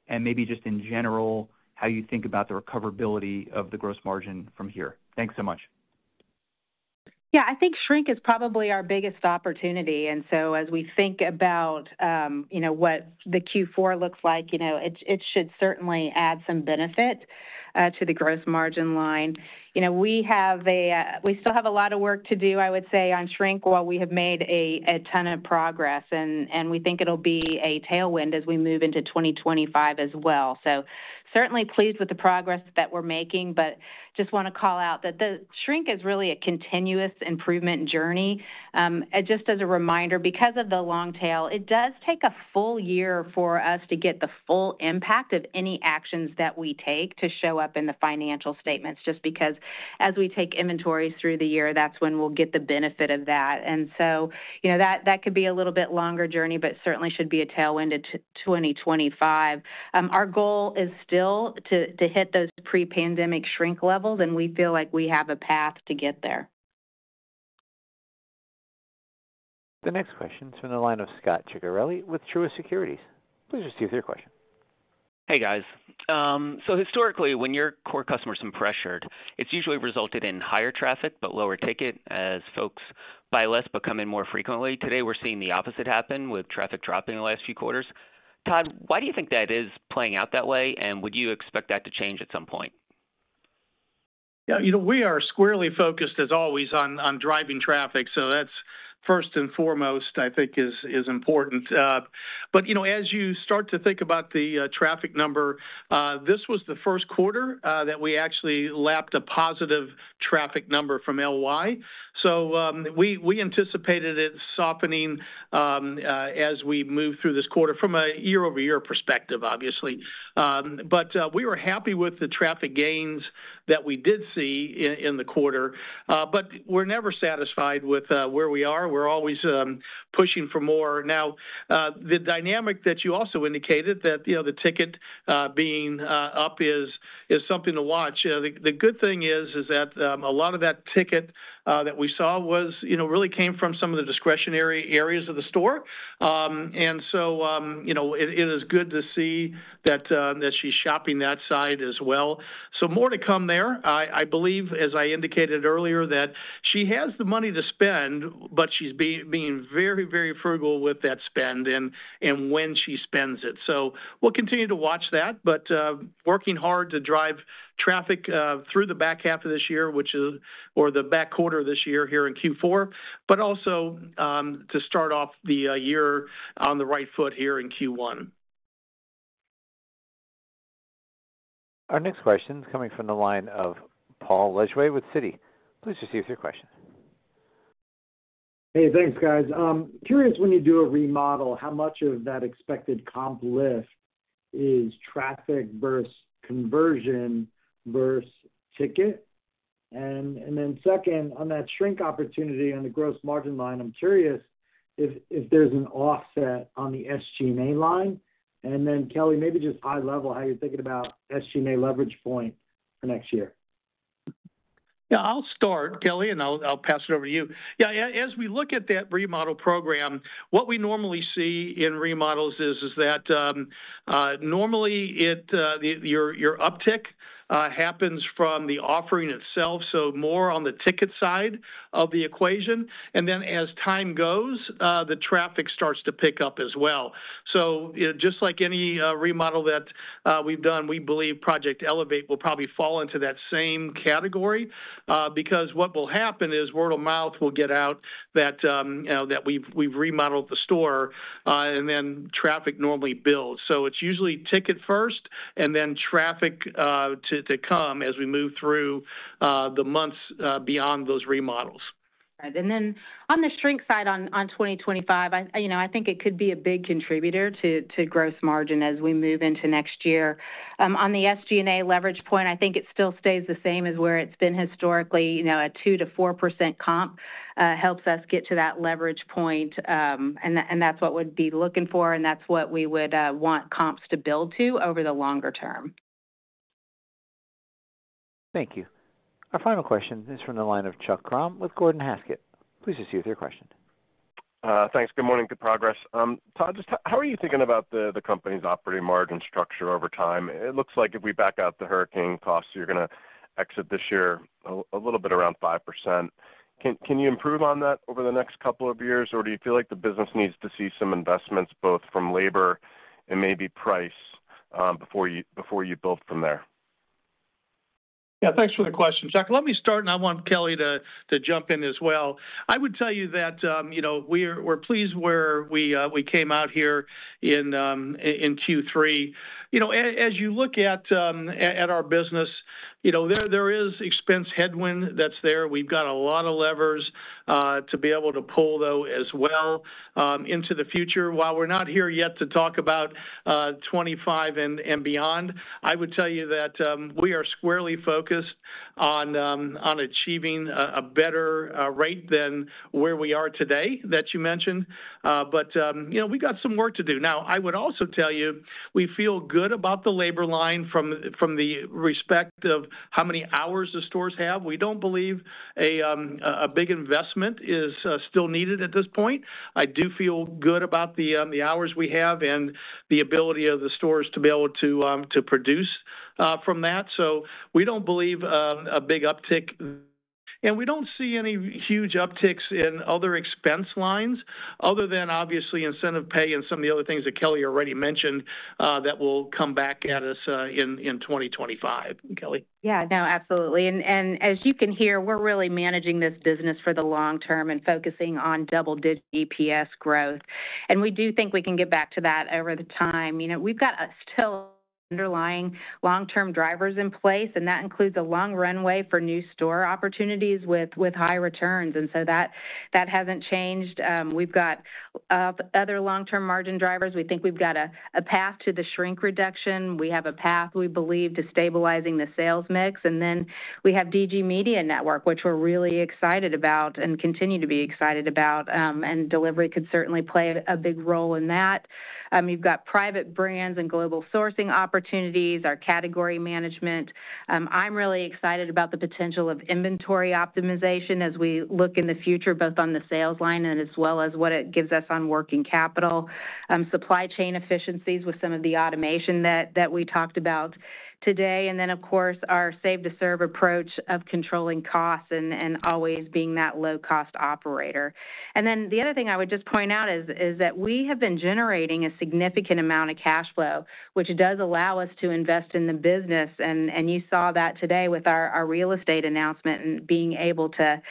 And maybe just in general, how you think about the recoverability of the gross margin from here. Thanks so much. Yeah, I think shrink is probably our biggest opportunity. And so as we think about what the Q4 looks like, it should certainly add some benefit to the gross margin line. We still have a lot of work to do, I would say, on shrink while we have made a ton of progress. And we think it'll be a tailwind as we move into 2025 as well. So certainly pleased with the progress that we're making, but just want to call out that the shrink is really a continuous improvement journey. Just as a reminder, because of the long tail, it does take a full year for us to get the full impact of any actions that we take to show up in the financial statements, just because as we take inventories through the year, that's when we'll get the benefit of that. And so that could be a little bit longer journey, but certainly should be a tailwind to 2025. Our goal is still to hit those pre-pandemic shrink levels, and we feel like we have a path to get there. The next question is from the line of Scot Ciccarelli with Truist Securities. Please proceed with your question. Hey, guys. So historically, when your core customers are pressured, it's usually resulted in higher traffic, but lower ticket as folks buy less, but come in more frequently. Today, we're seeing the opposite happen with traffic dropping in the last few quarters. Todd, why do you think that is playing out that way? And would you expect that to change at some point? Yeah, we are squarely focused, as always, on driving traffic. So that's first and foremost, I think, is important. But as you start to think about the traffic number, this was the first quarter that we actually lapped a positive traffic number from LY. So we anticipated it softening as we move through this quarter from a year-over-year perspective, obviously. But we were happy with the traffic gains that we did see in the quarter. But we're never satisfied with where we are. We're always pushing for more. Now, the dynamic that you also indicated, that the ticket being up is something to watch. The good thing is that a lot of that ticket that we saw really came from some of the discretionary areas of the store. And so it is good to see that she's shopping that side as well. So more to come there. I believe, as I indicated earlier, that she has the money to spend, but she's being very, very frugal with that spend and when she spends it. So we'll continue to watch that, but working hard to drive traffic through the back half of this year, which is, or the back quarter of this year here in Q4, but also to start off the year on the right foot here in Q1. Our next question is coming from the line of Paul Lejuez with Citi. Please proceed with your question. Hey, thanks, guys. Curious, when you do a remodel, how much of that expected comp lift is traffic versus conversion versus ticket? And then second, on that shrink opportunity on the gross margin line, I'm curious if there's an offset on the SG&A line. And then, Kelly, maybe just high level, how you're thinking about SG&A leverage point for next year. Yeah, I'll start, Kelly, and I'll pass it over to you. Yeah, as we look at that remodel program, what we normally see in remodels is that normally your uptick happens from the offering itself, so more on the ticket side of the equation. And then as time goes, the traffic starts to pick up as well. So just like any remodel that we've done, we believe Project Elevate will probably fall into that same category because what will happen is word of mouth will get out that we've remodeled the store, and then traffic normally builds. So it's usually ticket first and then traffic to come as we move through the months beyond those remodels. And then on the shrink side on 2025, I think it could be a big contributor to gross margin as we move into next year. On the SG&A leverage point, I think it still stays the same as where it's been historically. A 2%-4% comp helps us get to that leverage point, and that's what we'd be looking for, and that's what we would want comps to build to over the longer term. Thank you. Our final question is from the line of Chuck Grom with Gordon Haskett. Please proceed with your question. Thanks. Good morning, good progress. Todd, just how are you thinking about the company's operating margin structure over time? It looks like if we back out the hurricane costs, you're going to exit this year a little bit around 5%. Can you improve on that over the next couple of years, or do you feel like the business needs to see some investments both from labor and maybe price before you build from there? Yeah, thanks for the question. Chuck, let me start, and I want Kelly to jump in as well. I would tell you that we're pleased where we came out here in Q3. As you look at our business, there is expense headwind that's there. We've got a lot of levers to be able to pull, though, as well into the future. While we're not here yet to talk about 2025 and beyond, I would tell you that we are squarely focused on achieving a better rate than where we are today that you mentioned. But we've got some work to do. Now, I would also tell you we feel good about the labor line from the aspect of how many hours the stores have. We don't believe a big investment is still needed at this point. I do feel good about the hours we have and the ability of the stores to be able to produce from that. So we don't believe a big uptick. And we don't see any huge upticks in other expense lines other than, obviously, incentive pay and some of the other things that Kelly already mentioned that will come back at us in 2025. Kelly? Yeah, no, absolutely. And as you can hear, we're really managing this business for the long term and focusing on double-digit EPS growth. And we do think we can get back to that over time. We've got still underlying long-term drivers in place, and that includes a long runway for new store opportunities with high returns. And so that hasn't changed. We've got other long-term margin drivers. We think we've got a path to the shrink reduction. We have a path, we believe, to stabilizing the sales mix. And then we have DG Media Network, which we're really excited about and continue to be excited about. And delivery could certainly play a big role in that. You've got private brands and global sourcing opportunities, our category management. I'm really excited about the potential of inventory optimization as we look in the future, both on the sales line and as well as what it gives us on working capital, supply chain efficiencies with some of the automation that we talked about today. And then, of course, our Save to Serve approach of controlling costs and always being that low-cost operator. And then the other thing I would just point out is that we have been generating a significant amount of cash flow, which does allow us to invest in the business. And you saw that today with our real estate announcement and being able to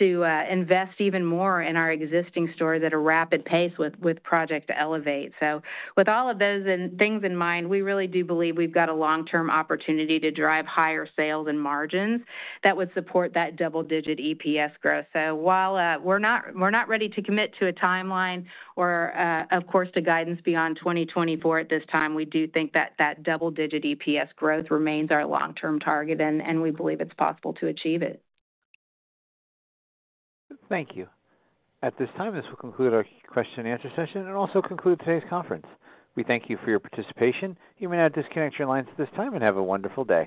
invest even more in our existing store at a rapid pace with Project Elevate. So with all of those things in mind, we really do believe we've got a long-term opportunity to drive higher sales and margins that would support that double-digit EPS growth. So while we're not ready to commit to a timeline or, of course, to guidance beyond 2024 at this time, we do think that that double-digit EPS growth remains our long-term target, and we believe it's possible to achieve it. Thank you. At this time, this will conclude our question-and-answer session and also conclude today's conference. We thank you for your participation. You may now disconnect your lines at this time and have a wonderful day.